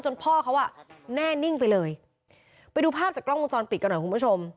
พ่อเขาอ่ะแน่นิ่งไปเลยไปดูภาพจากกล้องวงจรปิดกันหน่อยคุณผู้ชม